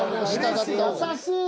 優しい。